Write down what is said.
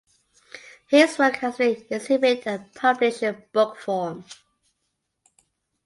His work has been exhibited and published in book form.